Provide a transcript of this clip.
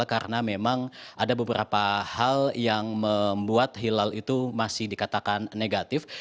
karena memang ada beberapa hal yang membuat hilal itu masih dikatakan negatif